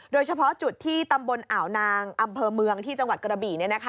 โดยเฉพาะจุดที่ตำบลอ่าวนางอำเภอเมืองที่จังหวัดกระบี่